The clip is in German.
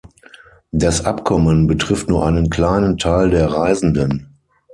Das Abkommen betrifft nur einen kleinen Teil der Reisenden.